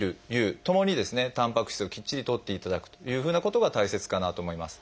たんぱく質をきっちりとっていただくというふうなことが大切かなと思います。